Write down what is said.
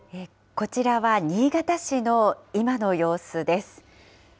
こちらは新潟市の今の様子です。